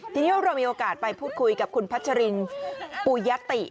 ทีนี้เรามีโอกาสไปพูดคุยกับคุณพัชรินปุยติ